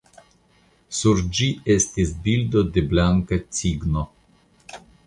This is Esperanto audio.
Sur ĝi estis bildo de blanka cigno.